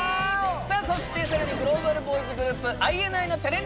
そしてさらにグローバルボーイズグループＩＮＩのチャレンジ